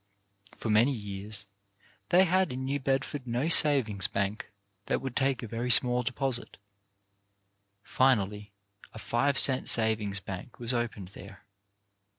For many years they had in New Bedford no savings bank that would take a very small deposit. Finally a five cent savings bank was opened there.